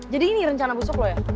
jadi ini rencana bosok lu ya